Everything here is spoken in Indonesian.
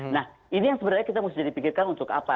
nah ini yang sebenarnya kita mesti dipikirkan untuk apa